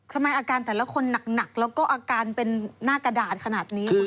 ทำไมอาการแต่ละคนหนักแล้วก็อาการเป็นหน้ากระดาษขนาดนี้